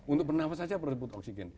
untuk bernafas saja berebut oksigen